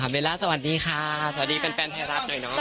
เวลาสวัสดีค่ะสวัสดีแฟนไทยรัฐหน่อยเนาะ